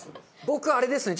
僕はあれですね